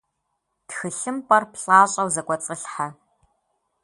ТхылъымпӀэр плӀащӀэу зэкӀуэцӀылъхьэ.